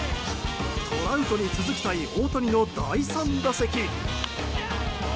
トラウトに続きたい大谷の第３打席。